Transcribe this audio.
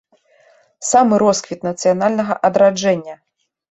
Самы росквіт нацыянальнага адраджэння.